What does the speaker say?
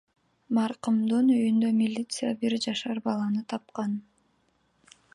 Маркумдун үйүндө милиция бир жашар баланы тапкан.